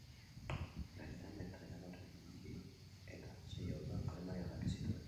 Gainera metrailadore bi eta sei oldar alemaniarrak zituen.